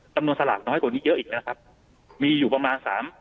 สลากน้อยกว่านี้เยอะอีกแล้วครับมีอยู่ประมาณสาม